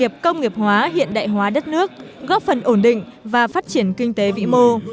nghiệp công nghiệp hóa hiện đại hóa đất nước góp phần ổn định và phát triển kinh tế vĩ mô